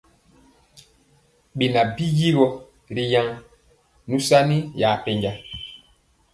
Beŋan byigɔ ri yaŋ nusani ya pɛnja.